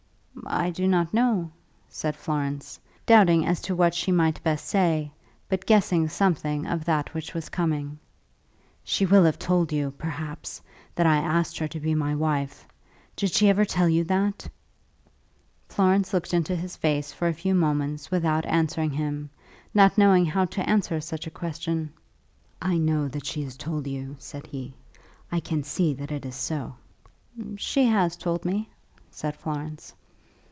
"I do not know," said Florence, doubting as to what she might best say, but guessing something of that which was coming. "She will have told you, perhaps, that I asked her to be my wife. Did she ever tell you that?" Florence looked into his face for a few moments without answering him, not knowing how to answer such a question. "I know that she has told you," said he. "I can see that it is so." "She has told me," said Florence.